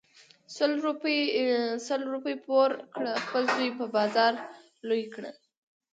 سل روپی پور کړه خپل زوی په بازار لوی کړه .